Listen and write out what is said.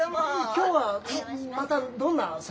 今日はまたどんな魚で？